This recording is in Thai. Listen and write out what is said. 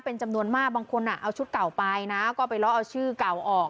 เป็นจำนวนมากบางคนเอาชุดเก่าไปนะก็ไปล้อเอาชื่อเก่าออก